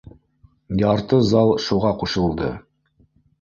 Ярты зал шуға ҡушылды